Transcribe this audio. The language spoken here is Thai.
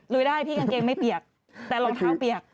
ได้พี่กางเกงไม่เปียกแต่รองเท้าเปียก